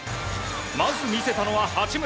まず、見せたのは八村。